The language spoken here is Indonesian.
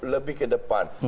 lebih ke depan